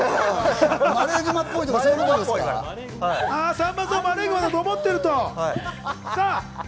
さんまさん、マレーグマだと思っていると。